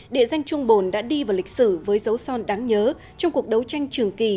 địa danh trung bồn đã đi vào lịch sử với dấu son đáng nhớ trong cuộc đấu tranh trường kỳ